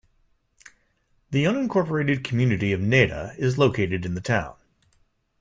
The unincorporated community of Neda is located in the town.